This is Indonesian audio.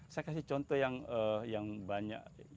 saya kasih contoh yang banyak